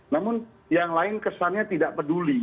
namun yang lain kesannya tidak peduli